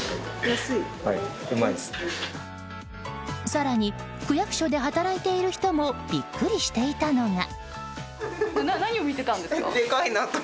更に区役所で働いている人もビックリしていたのが。